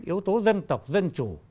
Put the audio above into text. yếu tố dân tộc dân chủ